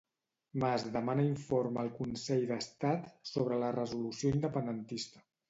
Mas demana informe al Consell d'Estat sobre la resolució independentista.